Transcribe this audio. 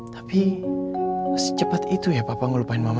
tapi masih cepet itu ya papa ngelupain mama